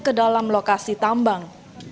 kedalam lokasi tambang